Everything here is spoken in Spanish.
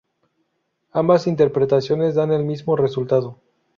Ambas interpretaciones dan el mismo resultado.